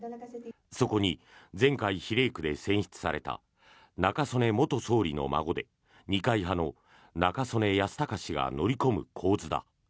そこに前回、比例区で選出された中曽根元総理の孫で二階派の中曽根康隆氏が乗り込む構図だ。